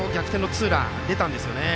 ツーランが出たんですよね。